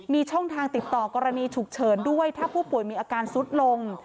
มีช่องทางติดต่อกรณีฉุกเฉินด้วยถ้าผู้ป่วยมีอาการซุดลง